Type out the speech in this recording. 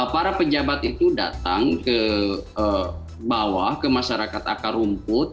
para pejabat itu datang ke bawah ke masyarakat akar rumput